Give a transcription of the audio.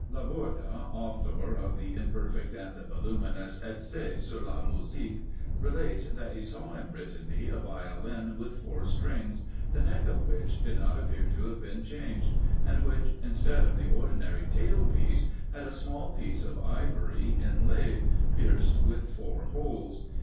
La Borde, author of the imperfect and voluminous "Essai sur la Musique," relates that he saw in Brittany a Violin with four strings, the neck of which did not appear to have been changed, and which, instead of the ordinary tail piece, had a small piece of ivory inlaid, pierced with four holes.